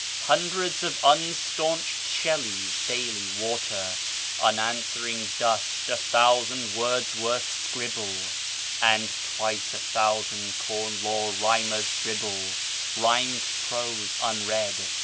Hundreds of unstaunched Shelleys daily water Unanswering dust; a thousand Wordsworths scribble; And twice a thousand Corn Law Rhymers dribble Rhymed prose, unread.